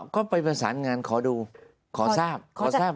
ก็ไปประสานงานขอดูขอทราบขอทราบ